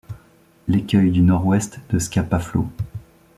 L'écueil au nord-ouest de Scapa Flow.